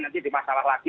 nanti di masalah lagi